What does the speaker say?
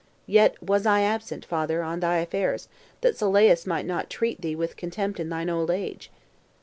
Yet was I absent, father, on thy affairs, that Sylleus might not treat thee with contempt in thine old age.